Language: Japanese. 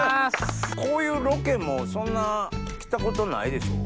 こういうロケもそんな来たことないでしょ？